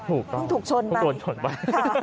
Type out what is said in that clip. ถูกต้องถูกโดนชนไป